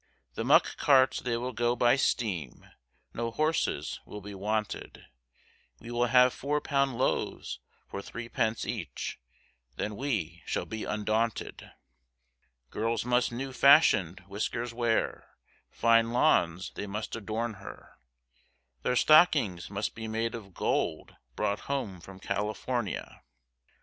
The muck carts they will go by steam, no horses will be wanted, We will have four pound loaves for threepence each, then we shall be undaunted, Girls must new fashioned whiskers wear, fine lawns they must adorn her, Their stockings must be made of gold brought home from California.